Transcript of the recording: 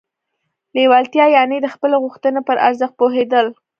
لېوالتیا يانې د خپلې غوښتنې پر ارزښت پوهېدل.